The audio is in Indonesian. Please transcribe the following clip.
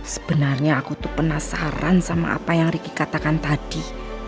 sebenarnya aku tuh penasaran sama apa yang ricky katakan tadi